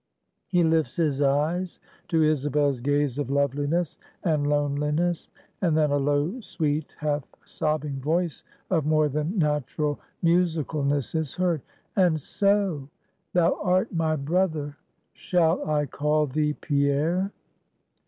He lifts his eyes to Isabel's gaze of loveliness and loneliness; and then a low, sweet, half sobbing voice of more than natural musicalness is heard: "And so, thou art my brother; shall I call thee Pierre?"